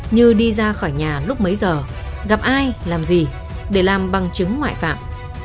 như đi ra khỏi nhà lúc mấy giờ gặp ai làm gì để làm bằng chứng ngoại phạm